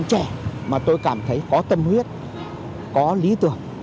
một trong những thành viên trẻ mà tôi cảm thấy có tâm huyết có lý tưởng